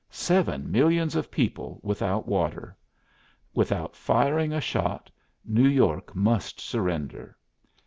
Seven millions of people without water! Without firing a shot, New York must surrender!